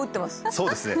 そうですね。